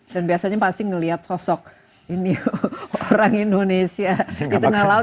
dan biasanya pasti ngeliat sosok ini orang indonesia di tengah laut